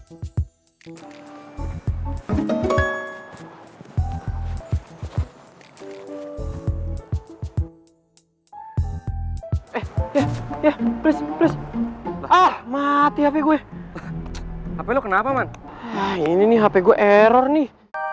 eh ya ya please please ah mati hp gue hp lu kenapa man ini nih hp gue error nih